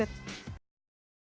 terima kasih banyak banyak